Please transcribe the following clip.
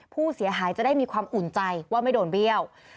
ผู้เสียหายจะได้มีความอุ่นใจว่าไม่โดนเบี้ยว